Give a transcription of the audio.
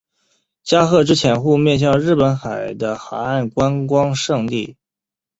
加贺之潜户面向日本海的海岸观光胜地。